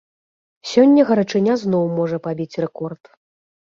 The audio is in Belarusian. Сёння гарачыня зноў можа пабіць рэкорд.